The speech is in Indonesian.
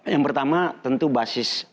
yang pertama tentu basis